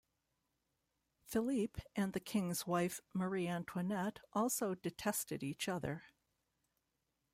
Philippe and the King's wife, Marie Antoinette, also detested each other.